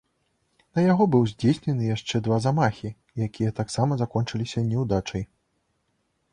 На яго быў здзейснены яшчэ два замахі, якія таксама закончыліся няўдачай.